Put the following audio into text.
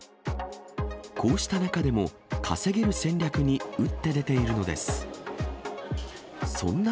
こうした中でも、稼げる戦略に打って出ているのです。